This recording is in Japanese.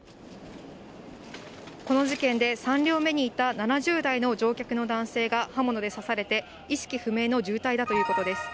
この事件で３両目にいた７０代の乗客の男性が刃物で刺されて、意識不明の重体だということです。